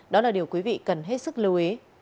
đó là điều quý vị cần hết sức lưu ý